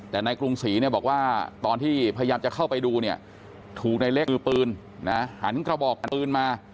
แต่นายกรุงศรีเนี่ยบอกว่าตอนที่พยายามจะเข้าไปดูเนี่ยถูกในเล็กมือปืนหันกระบอกปืนมา